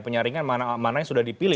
penyaringan mana yang sudah dipilih